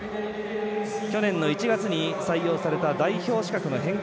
去年の１月に採用された代表資格の変更